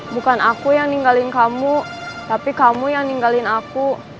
bukan aku yang ninggalin kamu tapi kamu yang ninggalin aku